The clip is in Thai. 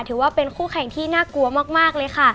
ถือว่าเป็นคู่แข่งที่น่ากลัวมากเลยค่ะ